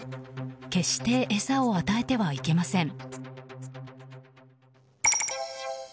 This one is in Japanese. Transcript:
決して餌を与えてはいけません。